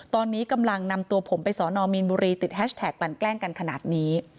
ตอนนี้กำลังนำตัวผมไปสอนอมีนบุรีติดแฮชแท็กกลั่นแกล้งกันขนาดนี้